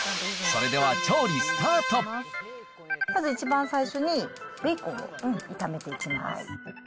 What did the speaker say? まず一番最初に、ベーコンを炒めていきます。